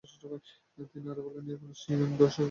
তিনি আরও একটি উপন্যাস "ইয়ং ডঃ গস"এ হাত দেন।